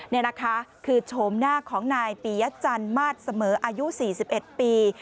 นี่นะคะคือโฉมหน้าของนายปียจันทร์มาสเสมออายุ๔๑ปี